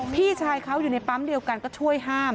พี่ชายเขาอยู่ในปั๊มเดียวกันก็ช่วยห้าม